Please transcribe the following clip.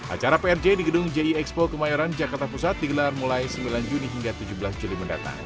acara prj di gedung ji expo kemayoran jakarta pusat digelar mulai sembilan juni hingga tujuh belas juli mendatang